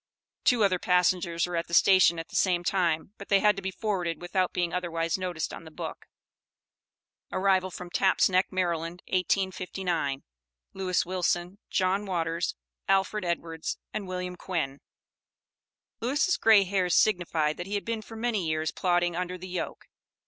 Two other passengers were at the station at the same time, but they had to be forwarded without being otherwise noticed on the book. ARRIVAL FROM TAPPS' NECK, MD., 1859. LEWIS WILSON, JOHN WATERS, ALFRED EDWARDS AND WILLIAM QUINN. Lewis' grey hairs signified that he had been for many years plodding under the yoke.